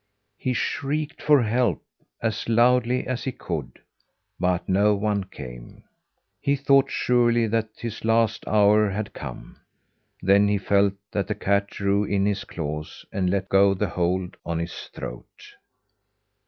He shrieked for help, as loudly as he could, but no one came. He thought surely that his last hour had come. Then he felt that the cat drew in his claws and let go the hold on his throat.